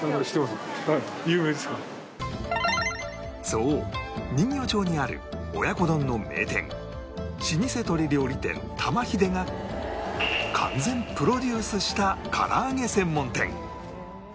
そう人形町にある親子丼の名店老舗鳥料理店玉ひでが完全プロデュースした唐揚げ専門店